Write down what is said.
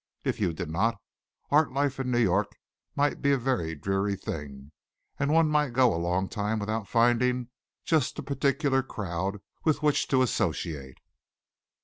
If you did not, art life in New York might be a very dreary thing and one might go a long time without finding just the particular crowd with which to associate.